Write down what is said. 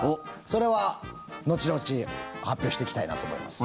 それは後々発表していきたいなと思います。